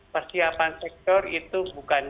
persiapan sektor itu bukan